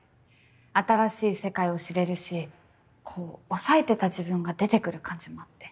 新しい世界を知れるしこう抑えてた自分が出てくる感じもあって。